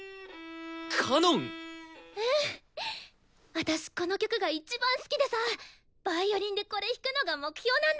私この曲がいちばん好きでさヴァイオリンでこれ弾くのが目標なんだ！